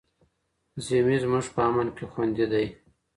ذمي زموږ په امن کي خوندي دی.